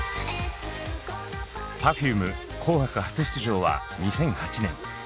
Ｐｅｒｆｕｍｅ「紅白初出場」は２００８年。